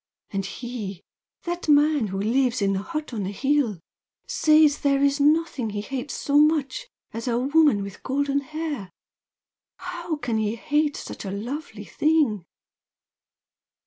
And he, that man who lives in the hut on the hill says there is nothing he hates so much as a woman with golden hair! How can he hate such a lovely thing!"